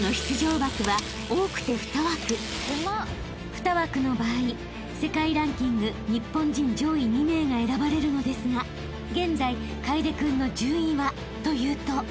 ［２枠の場合世界ランキング日本人上位２名が選ばれるのですが現在楓君の順位はというと］